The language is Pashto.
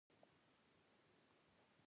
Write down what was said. دا زموږ د ژغورنې وروستی چانس دی.